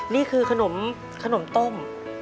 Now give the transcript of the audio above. นี่คือขนมต้ม